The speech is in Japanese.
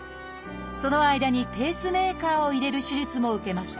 その間にペースメーカーを入れる手術も受けました。